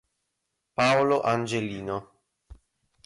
Paolo Angelino